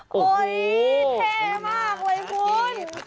โอ้โหเท่มากว่าไอ้คุณ